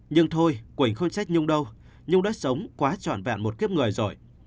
nhưng thôi quỳnh không trách nhung đâu nhung đã sống quá trọn vẹn một kiếp người rồi